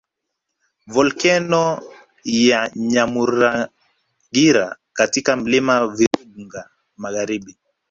Volkeno ya Nyamuragira katika milima Virunga magharibi